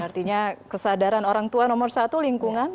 artinya kesadaran orang tua nomor satu lingkungan